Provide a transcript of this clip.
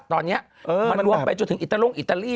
ตอนนี้มันรวมไปจนถึงอิตาลงอิตาลี